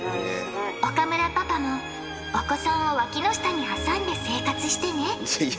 岡村パパもお子さんを脇の下に挟んで生活してねいや。